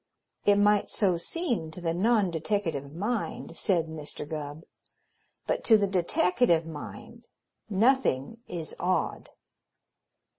"It might so seem to the non deteckative mind," said Mr. Gubb, "but to the deteckative mind, nothing is odd."